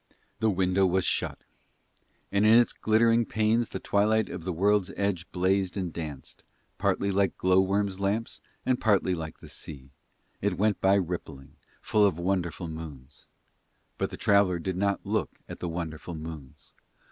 The window was shut, and in its glittering panes the twilight of the World's Edge blazed and danced, partly like glow worms' lamps and partly like the sea; it went by rippling, full of wonderful moons. But the traveller did not look at the wonderful moons.